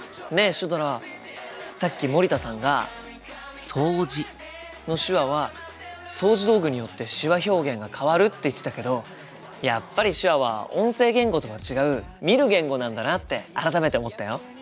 シュドラさっき森田さんが「掃除」の手話は掃除道具によって手話表現が変わるって言ってたけどやっぱり手話は音声言語とは違う見る言語なんだなって改めて思ったよ。